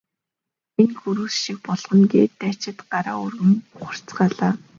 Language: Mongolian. Би энэ гөрөөс шиг болгоно гэхэд дайчид гараа өргөн ухарцгаалаа.